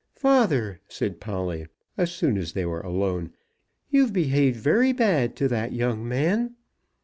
"Father," said Polly, as soon as they were alone, "you've behaved very bad to that young man."